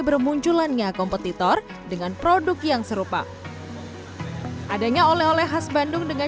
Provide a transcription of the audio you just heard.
bermunculannya kompetitor dengan produk yang serupa adanya oleh oleh khas bandung dengan